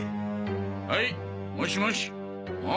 はいもしもしん？